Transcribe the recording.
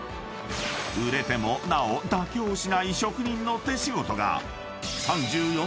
［売れてもなお妥協しない職人の手仕事が］